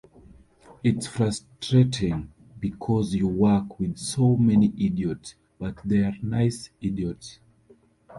It's frustrating, because you work with so many idiots-but they're nice idiots.